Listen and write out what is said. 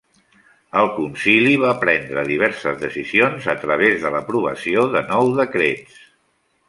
El Concili va prendre diverses decisions a través de l'aprovació de nou decrets.